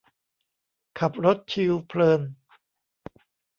ขับรถชิลเพลิน